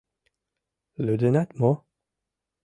— Лӱдынат мо?